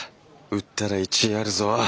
売ったら１位あるぞ！